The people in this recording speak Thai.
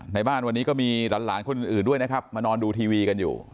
ในบ้านวันนี้ก็มีหลานคนอื่นด้วยนะครับมานอนดูทีวีกันอยู่